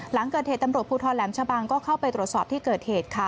หลังเกิดเหตุตำรวจภูทรแหลมชะบังก็เข้าไปตรวจสอบที่เกิดเหตุค่ะ